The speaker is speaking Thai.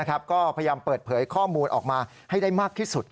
ก็พยายามเปิดเผยข้อมูลออกมาให้ได้มากที่สุด